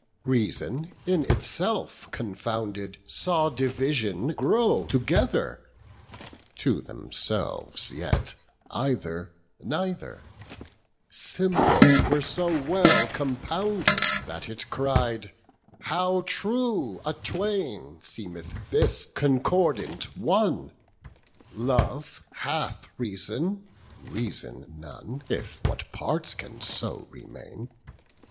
40 Reason, in itself confounded, Saw division grow together; To themselves yet either neither; Simple were so well compounded, That it cried, 'How true a twain 45 Seemeth this concordant one! Love hath reason, reason none If what parts can so remain.